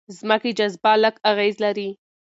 ځمکې جاذبه لږ اغېز لري.